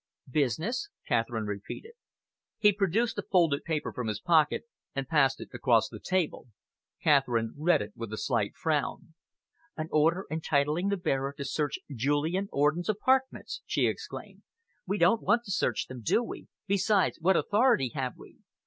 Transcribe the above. "Business?" Catherine repeated. He produced a folded paper from his pocket and passed it across the table. Catherine read it with a slight frown. "An order entitling the bearer to search Julian Orden's apartments!" she exclaimed. "We don't want to search them, do we? Besides, what authority have we?"